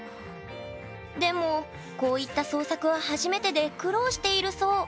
でもこういった創作は初めてで苦労しているそう。